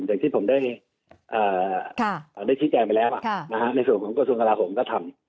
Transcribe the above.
อย่างที่ผมได้ชี้แจงไปแล้วในส่วนของกระทรวงกราโหมก็ทำ